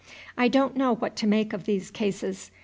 I don't know what to make of these cases.